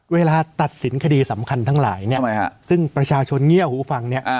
เวลาตัดสินคดีสำคัญทั้งหลายเนี่ยซึ่งประชาชนเงียบหูฟังเนี่ย